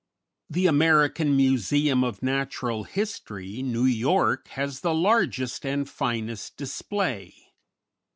The American Museum of Natural History, New York, has the largest and finest display.